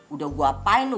udah gue apain lu